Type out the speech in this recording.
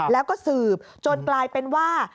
แล้วก็สืบจนกลายเป็นว่า